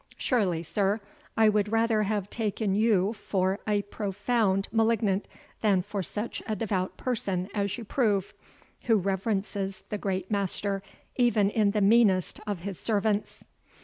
Surely, sir, I would rather have taken you for a profane malignant than for such a devout person as you prove, who reverences the great Master even in the meanest of his servants."